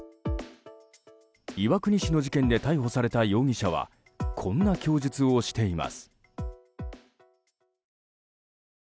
岩国市の事件で逮捕された容疑者はこんな供述をしています。